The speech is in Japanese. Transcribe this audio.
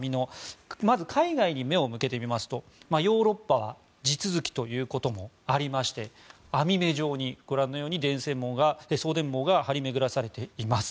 まず海外に目を向けてみますとヨーロッパは地続きということもありまして網目状に、ご覧のように送電網が張り巡らされています。